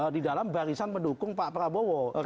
di dalam barisan pendukung pak prabowo